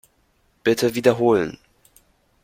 Bitte wiederholen.